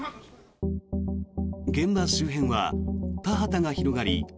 現場周辺は田畑が広がり